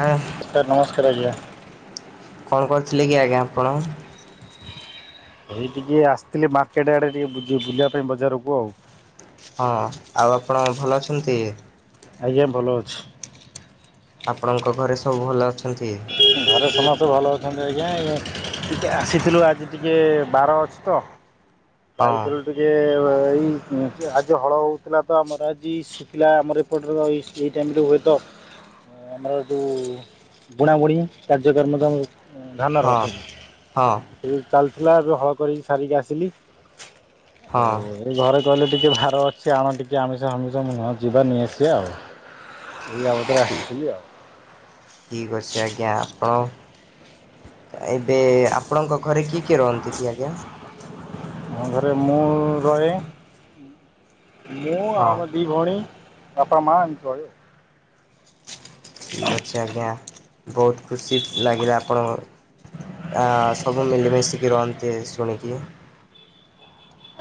ଆ [inaudible] sir ନମସ୍କାର ଆଜ୍ଞା। Phone କରିଥିଲେ କି ଆଜ୍ଞା ଆପଣ ଏଇ ଟିକେ ଆସିଥିଲି ମାର୍କେଟ ଆଡେ ଟିକେ ବୁଝି ବୁଝିବା ପାଇଁ ବଜାରକୁ ଆଉ। ହଁ ଆଉ ଆପଣ ଭଲ ଅଛନ୍ତି। ଆଜ୍ଞା ଭଲ ଅଛି। ଆପଣଙ୍କ ଘରେ ସବୁ ଭଲ ଅଛନ୍ତି? ଘରେ ସମସ୍ତେ ଭଲ ଅଛନ୍ତି ଆଜ୍ଞା ଏଇ ଟିକେ ଆସିଥିଲୁ ଆଜି ଟିକିେ ବାର ଅଛି ତ ହଁ ସଇଟିରୁ ଟିକେ ତ ଏଇ ଆଜି ହଳ ହେଉଥିଲା ତ ଆମର ଆଜି ଶୁଖିଲା ଆମର ଏପଟରେ ଏଇ ଟାଇମ୍ ରେ ହୁଏ ଟ ଆମର ଯୋଉ ବୁଣା ବୁଣି କାର୍ଯ୍ୟକ୍ରମ ତମ ଧାନର ହଁ ରସୁମ ହଁ ସେଠିକ ଚାଲ ଉଠିଲା ଏବେ ହଳ କରିକି ସାରିକି ଆସିଲି। ହଉ ହଁ ଏଇ ଘରେ କହିଲେ ଟିକେ ଭାର ଅଛି ଆଣ ଟିକେ ଆମିଷ ହମିଷ ମୁହଁ ଯିବା ନେଇ ଆସିବାେ ଆଉ ଆ ପଧ୍ର ଠିକ୍ ଲିଆ ହଁ ହେଇପି ଆପଣଙ୍କ ଘରେ କି କିଏ ରହନ୍ତି କି ଆଜ୍ଞା। ମୋ ଘରେ ମୁଁ ରହେ। ମୁଁ ଆଉ ହଁ ଆମ ଦୁଇ ଭଉଣୀ ବାପା ମା [inaudible] ଠିକ ଅଛି ଆଜ୍ଞା। ବହୁତ ଖୁସି ଲାଗିଲା ଆପଣକୁ [inaudible] ଆ ସବୁ ମିଳିମିଶିକି ରୁହନ୍ତି। ଦେ ଶୁଣିକି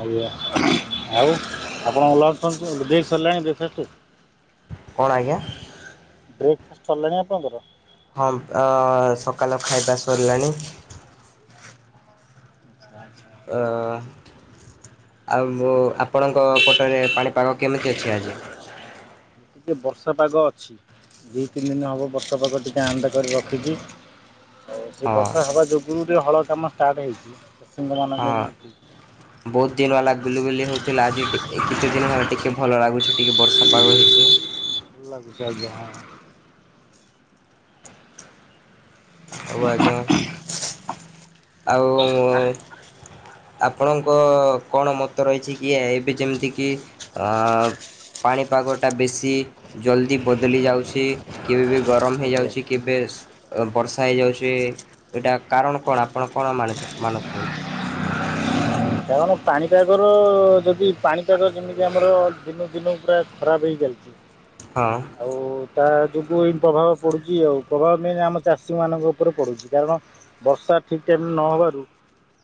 ଆଜ୍ଞା ଆଉ ଆପଣ ଭଲ ଅଛନ୍ତି ଦେଖେଇ ସରିଲାଣି ବ୍ରେକଫାଷ୍ଟ। କଣ ଆଜ୍ଞା ସରିଲାଣି ଆପଣଙ୍କର ହଁମ ଆ ସକାଳ ଖାଇବା ସରିଲାଣି। ଅ ଆଉ ଆପଣଙ୍କ ପଟରେ ପାଣି। ପାଗ କେମିତି ଅଛି ଆଜି। ଟିକେ ବର୍ଷା ପାଗ ଅଛି ଦୁଇ ତିନି ଦିନ ହେବ ବର୍ଷା ପାଗ ଟିକେ ଆଣଟା କରି ରଖିଛି। ଆଉ ସେ ହଁ ବର୍ଷା ହବା ଯୋଗୁରୁ। ହଳ କାମ ଷ୍ଟାର୍ଟ ହେଇଛି। ହଁ ଚାଷୀମାନଙ୍କ ପ୍ରତି ବହୁତ ଦିନ ବାଲା ଗୁଲି ଗୁଲି ହଉଥିଲା ଆଜି ଟିକେ କେତେ ଦିନ ହେଲା ଟିକେ। ଟିକେ ଭଲ ଲାଗୁଛି ଟିକେ ବର୍ଷା ପାଗ ହେଇଛି। ଭଲ ଲାଗୁଛି ଆଜ୍ଞା ହ। ଆଉ ଆଜ୍ଞା, ଆଉ-ଉ-ଉ-ଉ ଆପଣଙ୍କ-ଅ-ଅ କଣ ମତ ରହିଛି କି ଏବେ ଯେମିତି କିି ଆ-ଆ-ଆ ପାଣିପାଗଟା ବେଶୀ ସି ଜଲଦି ବଦଲି ଯାଉଛି କେବେ ବି ଗରମ ଆଜ୍ଞା ହେଯାଉଛି କେବେ ବର୍ଷା ହେଇଯାଉଛି, ଏଇଟା କାରଣ କଣ ଆପଣ କଣ ମାନ ମାନୁଥିବେ? କଣ ପାଣିପାଗର-ଅ-ଅ-ଅ ଯଦି ପାଣିପାଗ ଯେମିତି ଆମର ଦିନକୁ ଦିନ ପୁରା ଖରାପ ହେଇଚାଲିଛି। ହଁ। ଆଉ-ଉ-ଉ ତା ଯୋଗୁଁ ହିଁ ପ୍ରଭାବ ପଡ଼ୁଛି ଆଉ ପ୍ରଭାବ ବି ଆମ ଚାଷୀମାନଙ୍କ ଉପରେ ପଡ଼ୁଛି। କାରଣ ବର୍ଷା ଠିକ ଟାଇମରେ ନହେବାରୁ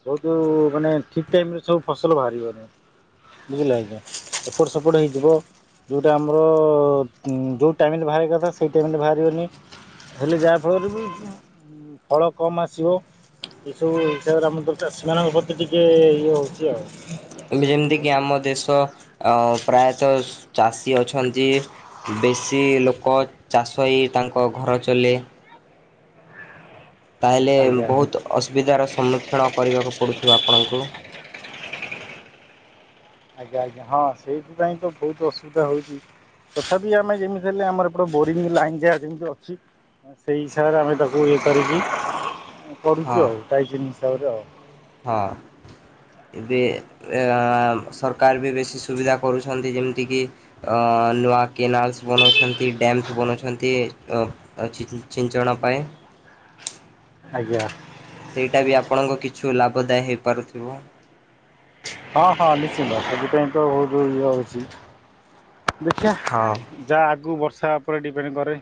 ବହୁତୁ ମାନେ ଠିକ୍ ଟାଇମ୍ ରେ ସବୁ ଫସଲ ବାହାରିବନି। ବୁଝିଲେ ଆଜ୍ଞା। ଏପଟ ସେପଟ ହେଇଯିବ। ଯେଉଁଟା ଆମର-ଅ-ଅ-ଅ ଯୋଉ ଟାଇମରେ ବାହାରିବା କଥା ସେଇ ଟାଇମରେ ବାହାରିବନି ହେଲେ ଯାହା ଫଳରେ ବି ଫଳ କମ ଆସିବ। ଏସବୁ ହିସାବରେ ଆମ ଚାଷୀ ମାନଙ୍କ ପ୍ରତି ଟିକେ ଯେ-ଏ-ଏ ଯେମିତି କିି ଆମ ଦେଶ ଅ ପ୍ରାୟତ ଚାଷୀ ଅଛନ୍ତି ବେଶୀ ଲୋକ ଚାଷ ହେଇ ତାଙ୍କ ଘର ଚଲେ। ତାହେଲେ ଆଜ୍ଞା ବହୁତ ଅସୁବିଧାର ସମ୍ମୁ ଣ କରିବାକୁ ପଡୁଥିବ ଆପଣଙ୍କୁ। ଆଜ୍ଞା ଆଜ୍ଞା ହଁ ସେଇଥିପାଇଁ ତ ବହୁତ ଅସୁବିଧା ହଉଛି। ତଥାପି ଆମେ ଯେମିତି ହେଲେ ଆମର ଏପଟେ ବୋରିଙ୍ଗ ଲାଇନ୍ ଯାହା ଯେମିତି ଅଛି ସେଇ ହିସାବରେ ଆମେ ତାକୁ ଇଏ କରିକି କରୁଛୁ ଆଉ ଟାଇଜେନିସ୍ ଦଉ ହ ଏବେ ଆ-ଆ-ଆ ସରକାର ବି ବେଶୀ ସୁବିଧା କରୁଛନ୍ତି ଯେମିତିକି ଅ-ଅ-ଅ ନୂଆ କେନାଲସ ବନାଉଛନ୍ତି ଡ୍ୟାମ୍ସ୍ ବନାଉଛନ୍ତି। ତ ଅ ଚିଚ୍ ଚିଞ୍ଚନାପାଏ। ଆଜ୍ଞା। ସେଇଟା ବି ଆପଣଙ୍କ କିଛୁ ଲାଭଦାୟ ହେଇପାରୁଥିବ। ହଁ ହଁ ନିଶ୍ଚିନ୍ତ। ସେଥିପାଇଁ ତ ବହୁତ ଇଏ ଅଛି। ଦେଖିଆ ହଁ ଯାହା ଆଗୁ ବର୍ଷ ବର୍ଷା ଉପରେ ଡିପେଣ୍ଡ କରେ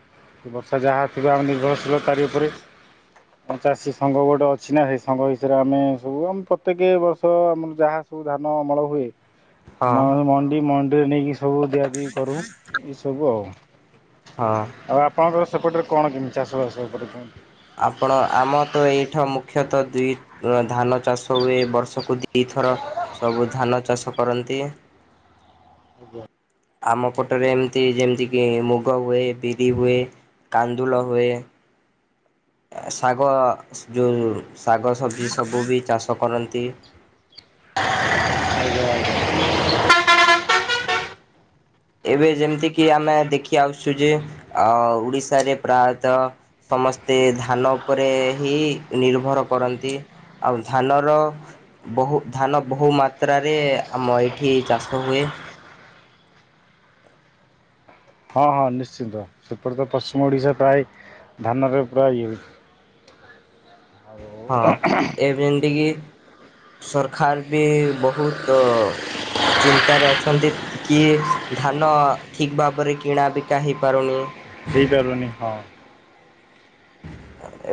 ବର୍ଷା ଯାହା ଥିବ ଆମେ ନିର୍ଭରଶୀଳ ତାରି ଉପରେ। କଣ ଚାଷୀ ସଂଘ ଗୋଟେ ଅଛି ନା ସେ ସଂଘ ହିସୟରେ ଆମେ ସବୁ ଆମ ପ୍ରତ୍ୟେକ ବର୍ଷ ଆମର ଯାହା ସବୁ ଧାନ ଅମଳ ହୁଏ ହଁ ଆମର ମଣ୍ଡି ମଡି ଟ୍ରେନିଂଗ ସବୁ କରୁ ଏ ସବୁ ଆଉ। ହଁ। ଆଉ ଆପଣଙ୍କର ସେପଟରେ କଣ କେମିତି ଚାଷ ବାସ ଉପରେ ଆପଣ ଆମ ତ ଏଇଠୁ ମୁ ମୁଖତଃ ଦୁଇ ଧାନ ଚାଷ ହୁଏ ବର୍ଷକୁ ଏଥର ସବୁ ଧାନ ଚାଷ କରନ୍ତି। ଆଜ୍ଞା। ଆମ ପଟରେ ଏମିତି ଯେମିତିକି ମୁଗ ହୁଏ, ବିରି ହୁଏ, କାନ୍ଦୁଳ ହୁଏ। ଶାଗ ଯୋଉ ଶାଗ ସବୁ ସବୁ ବି ଚାଷ କରନ୍ତି। ଏବେ ଯେମିତିକି ଆମେ ଦେଖି ଆସୁଚୁ ଯେ ଓଡ଼ିଶାରେ ପ୍ରାୟତଃ ସମସ୍ତେ ଧାନ ଉପରେ ହିଁ ନିର୍ଭର କରନ୍ତି ଆଉ ଧାନର ବହୁ ଧାନ ବହୁ ମାତ୍ରାରେ ଆମ ଏଇଠି ଚାଷ ହୁଏ। ହଁ ହଁ ନିଶ୍ଚିନ୍ତ ସେପଟ ତ ପଶ୍ଚିମ ଓଡ଼ିଶା ପ୍ରାୟ ଧାନର ପୁରା ୟୁଜ୍। ହଁ ଏବେ ଏମତି କିି ସରକାର ବି ବୋହୁତ ଚିନ୍ତାରେ ଅଛନ୍ତି କି ଧାନ ଠିକ ଭାବରେ କିଣା ବିକା ହେଇପାରୁନି। ହେଇପାରୁନି ହଁ।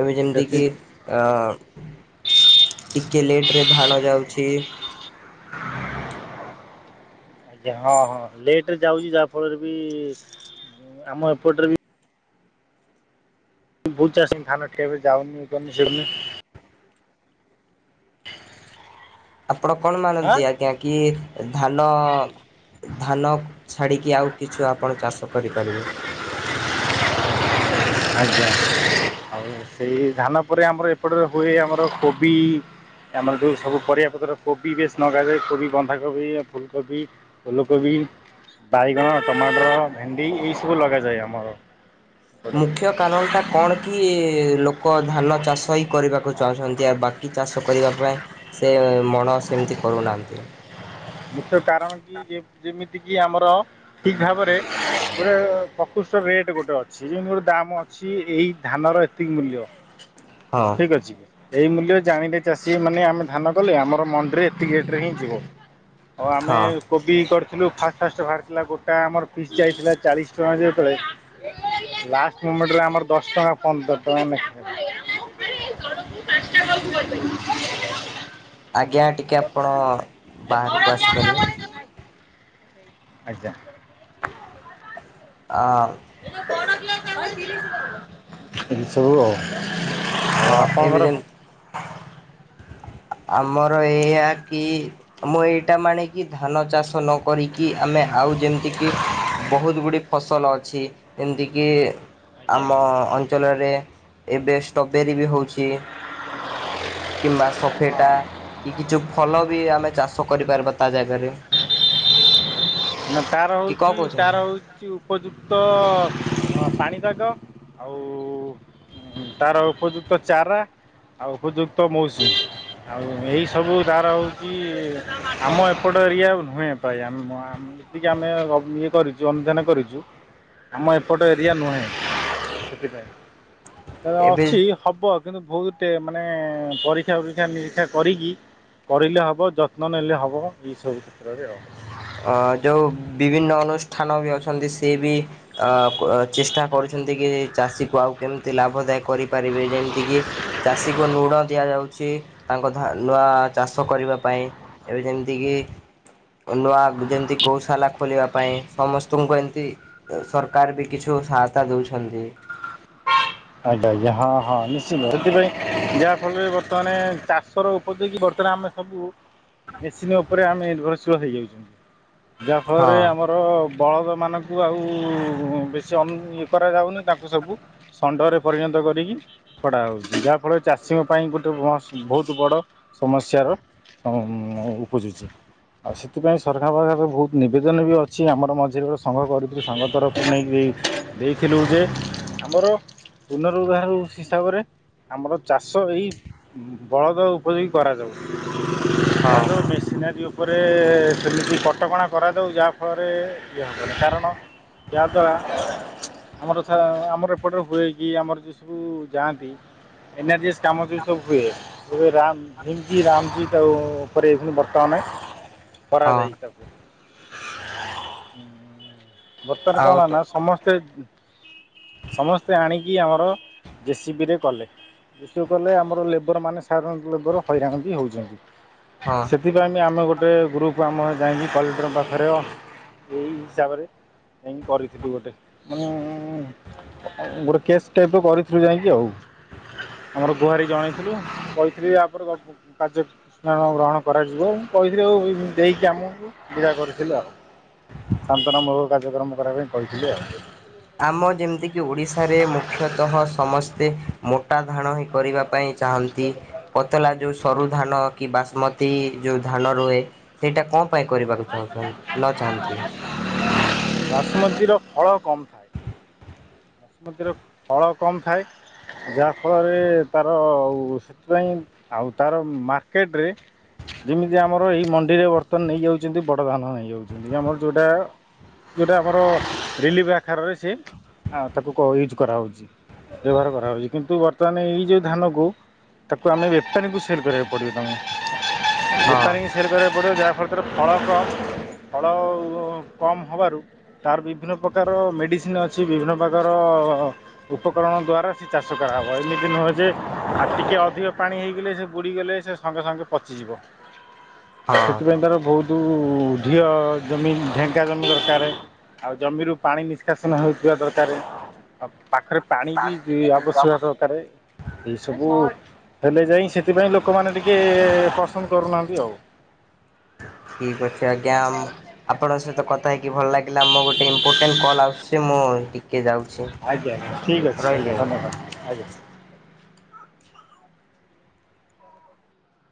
ଏବେ ସେଥି ଯେମିତିକି ଆଂ ଟିକେ ଲେଟରେ ଧାନ ଯାଉଚି। ଆଜ୍ଞା ହଁ ହଁ ଲେଟରେ ଯାଉଚି ଯାହାଫଳରେ ବି ଆମ ଏପଟରେ ବି ବୋହୁତ ଚାଷ ଧାନ ଟିକେ ଏବେ ଯାଉନି କରୁନି [unintelligible] ଆପଣ କଣ ମାନନ୍ତି ଆଁ ଆଜ୍ଞା କି ଧାନ ଧାନ ଛାଡ଼ିକି ଆଉ କିଛି ଆପଣ ଚାଷ କରିପାରିବେ। ଆଜ୍ଞା ଆଉ ସେଇ ଧାନ ପରେ ଆମର ଏପଟରେ ହୁଏ ଆମର କୋବି ଆମର ଯେଉଁ ସବୁ ପରିବାପତ୍ର କୋବି ବେଶ ଲଗାଯାଏ କୋବି ବନ୍ଧାକୋବି, ଫୁଲକୋବି ଉଲକୋବି, ବାଇଗଣ, ଟମାଟର, ଭେଣ୍ଡି ଏଇସବୁ ଲଗାଯାଏ ଆମର। ଏପଟେ ମୁଖ୍ୟ କାରଣଟା କଣ କି ଲୋକ ଧାନ ଚାଷ ହିଁ କରିବାକୁ ଚାହୁଁଚନ୍ତି। ବାକି ଚାଷ କରିବା ପାଇଁ ସେ ମଣ ସେମିତି କରୁନାହାନ୍ତି। ମୁଖ୍ୟ କାରଣ କି ଯେ-ଯେମିତି ଯେତିକି ଆମର ଠିକ ଭାବରେ ଗୋଟେ ପ୍ରକୃଷ୍ଟ ରେଟ ଗୋଟେ ଅଛି ଯେମିତି ଗୋଟେ ଦାମ ଅଛି ଏଇ ଧାନର ଏତିକି ମୂଲ୍ୟ। ହଁ। ଠିକ ଅଛି ଏଇ ମୂଲ୍ୟ ଜାଣିଲେ ଚାଷୀ ମାନେ ଆମେ ଧାନ କଲେ ଆମର ମଣ୍ଡିରେ ଏତିକ ରେଟରେ ହିଁ ଯିବ। ହୋଉ ଆମେ ହଁ କୋବି କରି କିନ୍ତୁ ଫା ଷ୍ଟ ବାହାରିଥିଲା ଗୋଟା ଆମର ପିସ୍ ଯାଇଥିଲା ଚାଳିଶି। [unintelligible] ଲାଷ୍ଟ ମୋମେଣ୍ଟ ରେ ଆମର ଦଶ ଟଙ୍କା ପନ୍ଦର ଟଙ୍କା ନାଖା ଆଜ୍ଞା ଟିକେ ଆପଣ ବାହାରକୁ ଆସି ପାରିବେ? ଆଜ୍ଞା ଆ [unintelligible] ଏ ସବୁ ଆଉ। ହଁ ଆଉ ଏବେ ଆପଣଙ୍କର ଯେମିତି। ଆମର ଏଇଆ କି ମୁଁ ଏଇଟା ମାଣେକି ଧାନ ଚାଷ ନ କରିକି ଆମେ ଆଉ ଯେମିତିକି ବୋହୁତ ଗୁଡ଼ିଏ ଫସଲ ଅଛି ଯେମିତିକି ଆଜ୍ଞା ଆମ ଆଜ୍ଞା। ଅଞ୍ଚଳରେ ଏବେ ଷ୍ଟବେରି ବି ହଉ ଛି କିମ୍ବା ସଫେଟା କି କିଛି ଫଲ ବି ଆମେ ଚାଷ କରିପାରିବା ତା ଜାଗାରେ। ନା ତାର କି କଣ ହଉଛି ତାର କହୁଛନ୍ତି ହଉଛି ଉପଯୁକ୍ତ ପା ନିସାଗ ଆଉ ତାର ଉପଯୁକ୍ତ ଚାରା ଆଉ ଉପଯୁକ୍ତ ମଉସ୍ ଆଉ ଏହିସବୁ ତାର ହେଉଛି। ଆମ ଏପଟ ଏରିଆ ନୁହେଁ ପାୟା ଏତିକି ଆମେ ଇଏ କରିଛୁ ଅନୁଧ୍ୟାନ କରିଛୁ ଆମ ଏପଟ ଏରିଆ ନୁହେଁ ସେଥିପାଇଁ। ତାର ଏବେ ଅଛି ହବ କିନ୍ତୁ ବହୁତେ ମାନେ ପରୀକ୍ଷା ପରୀକ୍ଷା ନିରୀକ୍ଷା କରିକି କରିଲେ ହେବ ଯତ୍ନ ନେଲେ ହେବ ଏଇସବୁ କ୍ଷେତ୍ରରେ ଆଉ। ଅ ଯୋଉ ବିଭିନ୍ନ ଅନୁଷ୍ଠାନ ବି ଅଛନ୍ତି ସି ବି ଅ ଚେଷ୍ଟା କରୁଛନ୍ତି କି ଚାଷୀକୁ ଆଉ କେମିତି ଲାଭଦାୟକ କରିପାରିବେ ଯେମିତି କିି ଚାଷୀକୁ ଲୁଣ ଦିଆଯାଉଛି ତାଙ୍କ ଧା ନୂଆ ଚାଷ କରିବା ପାଇଁ ଏବେ ଯେମିତି କିି ନୂଆ ଯେମିତି ଗୌଶାଲା ଖୋଲିବା ପାଇଁ ସମସ୍ତଙ୍କୁ ଏମିତି ସରକାର ବି କିଛିୁ ସହାୟତା ଦେଉଛନ୍ତି। ଆଜ୍ଞା ଆଜ୍ଞା ହଁ ହଁ ନିଶ୍ଚନ୍ତ ସେଥିପାଇଁ ଯାହା ଫଳରେ ବର୍ତ୍ତମାନ ଚାଷ ର ଉପଯୋଗୀ ବର୍ତ୍ତମାନ ଆମେ ସବୁ ମେସିିନ ଉପରେ ଆମେ ରୁ ତ ହେଇଯାଉଛୁ। ଯାହାଫଳରେ ହଁ ଆମର ବଳଦମାନଙ୍କୁ ଆଉ ବେଶୀ ଅ ଇଏ କରାଯାଉନି ତାଙ୍କୁ ସବୁ ଷଣ୍ଡରେ ପରିଣତ କରିକି ଛଡ଼ା ହେଉଛି ଯାହାଫଳରେ ଚାଷୀଙ୍କ ପାଇଁ ଗୋଟେ ବହୁତ ବଡ଼ ସମସ୍ୟାର ଉପୁଜୁଛି ଆଉ ସେଥିପାଇଁ ସରକାରଙ୍କ ପାଖରେ ବହୁତ ନିବେଦନ ବି ଅଛି ଆମର ମଝିରେ ସଂଘ କରିଥିଲୁ ସଂଘ ତରଫରୁ ନେଇକି ଦେଇଥିଲୁ ଯେ ଆମର ପୁନରୁଦ୍ଧାର ହିସାବରେ ଆମର ଚାଷ ଏଇ ବଳଦ ଉପଯୋଗୀ କରାଯାଉ। ହଁ ମେସିନାରୀ ଉପରେ ସେମିତି କଟକଣା କରାଯାଉ ଯାହାଫଳରେ କାରଣ ଯାଦ୍ୱାରା ଆମର ଆମର ଏପଟର ହୁଇକି ଆମର ଯେଉଁ ସବୁ ଯାଆନ୍ତି ଏନର୍ଜି କାମ ଯ ସବୁ ହୁଏ ଭୁବେ ରାମ ଭିମକି ରାମଜି ତାଉ ଉପରେ ଏଇ ଖୁନି ବର୍ତ୍ତମାନ ହଁ କରାଯାଇ ତାକୁ [inaudible] ବର୍ତ୍ତମାନ କଣ ଆଉ ହେଲା ତ ନା ସମସ୍ତେ ସମ ସେ ଆଣିକି ଆମର ଜେସିବି ରେ କଲେ ଜେସିବି କଲେ ଆମର ଲେବର ମାନେ ସାଧାରଣ ଲୋକ ହଇରାନ ବି ହଉଛନ୍ତି ହଁ ସେଥିପାଇଁ ଆମେ ଗୋଟେ ଗୋଟେ ଗ୍ରୁପ ଆମ ଯାଇକି କଲେକ୍ଟର ଙ୍କ ପାଖରେ ଏଇ ହିସାବରେ ଯାଇକି କରିଥିଲୁ ଗୋଟେ ହୁଁ ହୁଁ ହୁଁ। ଗୋଟେ କେସ୍ ଟାଇପ୍ କରିଥିଲୁ ଯାଇକି ଆଉ ଆମର ଗୁହାରୀ ଜଣାଇଥିଲୁ କହିଥିଲି ତାପରେ କାର୍ଯ୍ୟାନୁଷ୍ଠାନ ଗ୍ରହଣ କରାଯିବ ଆଉ କହିଥିଲେ ଆଉ ଦେଇକି ଆମକୁ ଜେରା କରିଥିଲେ ଆଉ। ଶାନ୍ତନାମୂଳକ କାର୍ଯ୍ୟକ୍ରମ କରିବା ପାଇଁ କହିଥିଲେ ଆଉ। ଆମ ଯେମିତିକି ଓଡ଼ିଶାରେ ମୁଖ୍ୟତଃ ସମସ୍ତେ ମୋ ତା ଧାଣ ହିଁ କରିବ। ପାଇଁ ଚାହାନ୍ତି ପତଲା ଯୋଉ ସରୁ ଧାନ କି ବାସୁମତୀ ଯୋଉ ଧାନ ରୁହେ ସେଇଟା କଣ? ଉପାୟ କରିବାକୁ ଚାହୁଁ -ନ ଚାହାନ୍ତି। ବାସୁମତର ଫଳ କମ ଥାଏ ବାସୁମତୀର ଫଳ କମ ଥାଏ ଯାହାଫଳରେ ତାର ସେଥିପାଇଁ ଆଉ ତାର ମାର୍କେଟରେ ଯେମିତି ଆମର ଏଇ ମଣ୍ଡିରେ ବର୍ତ୍ତମାନ ନେଇଯାଉଛି ଯେମିତି ବଡ଼ ଧାନ ନେଇଯାଉଛନ୍ତି ଆମର ଯେଉଁଟା ଯେଉଁଟା ଆମର ରିଲିଫ୍ ଆକାରରେ ସେ ତାକୁ ୟୁଜ୍ କରାହେଉଛି ବ୍ୟବହାର କରାହେଉଛି କିନ୍ତୁ ବର୍ତ୍ତମାନ ଏଇ ଯେଉଁ ଧାନକୁ ତାକୁ ଆମେ ବେପାରୀଙ୍କୁ ସେଲ୍ କରିବାକୁ ପଡ଼ିବ ତମେ। ହଁ ବେପାରୀ ଙ୍କୁ ସେଲ୍ କରିବାକୁ ପଡ଼ିବ ଯାହା ଭ [unintelligible] ଫଳ କମ୍ ଫଳ କମ୍ ହେବାରୁ ତାର ବିଭିନ୍ନ ପ୍ରକାର ମେଡ଼ିସିନ ଅଛି ବିଭିନ୍ନ ପ୍ରକାର ଉପକରଣ ଦ୍ୱାରା ଚାଷ କରାହବ ଏଇନେ ଯେ ଟିକିଏ ଅଧିକ ପାଣି ହେଇଗଲେ ସେ ବୁଡ଼ିଗଲେ ସେ ସଙ୍ଗେ ସଙ୍ଗେ ପଚିଯିବ। ଆଉ ହଁ ସେଥିପାଇଁ ତାର ଯେଉ ଢ଼ିଅ ଜମି ଢ଼େଙ୍କା ଜମି ଦରକାର ଆଉ ଜମିରୁ ପାଣି ନିଷ୍କାସନ ହେଉଥିବା ଦରକାର ଆଉ ପାଖରେ ପାଣି ବି ଆବଶ୍ୟକ ଦରକାରେ ଏଇ ସବୁ ହେଲେ ଯାଇ ସେଥିପାଇଁ ଲୋକମାନେ ଟିକେ ପସନ୍ଦ କରୁନାହାନ୍ତି ଆଉ। ଠିକ ଅଛି ଆଜ୍ଞା ଆପଣଙ୍କ ସହିତ କଥା ହେଇକି ଭଲ ଲାଗିଲା ମୋ ଗୋଟେ ଇମ୍ପୋର୍ଟାଣ୍ଟ କଲ୍ ଆସୁଛି ମୁଁ ଯାଉଛି ଆଜ୍ଞା, ଆଜ୍ଞା ଠିକ୍ ଅଛି ଆଜ୍ଞା ଧନ୍ୟବାଦ ଆଜ୍ଞା। ଆଚ୍ଛା।